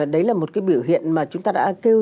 đấy là một cái biểu hiện mà chúng ta đã kêu